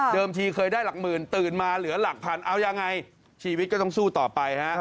ทีเคยได้หลักหมื่นตื่นมาเหลือหลักพันเอายังไงชีวิตก็ต้องสู้ต่อไปฮะ